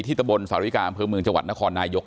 ที่ตะบนสารีกรามเพืองเมืองจังหวัดนครนายก